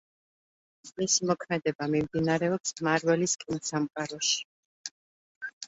მისი მოქმედება მიმდინარეობს მარველის კინოსამყაროში.